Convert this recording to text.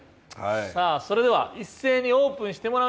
さあそれでは一斉にオープンしてもらいましょう。